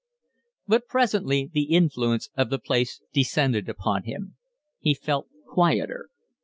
But presently the influence of the place descended upon him. He felt quieter.